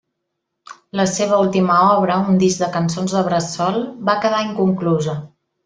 La seva última obra, un disc de cançons de bressol, va quedar inconclusa.